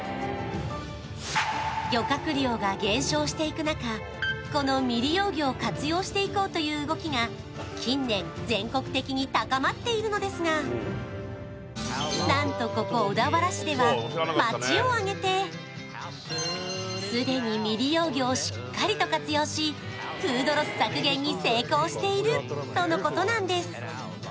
漁獲量が減少していく中、この未利用魚を活用していこうという動きが近年全国的に高まっているのですがなんとここ小田原市では町を挙げて、既に未利用魚をしっかりと活用し、フードロス削減に成功しているとのことなんです。